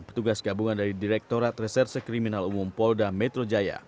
petugas gabungan dari direktorat reserse kriminal umum polda metro jaya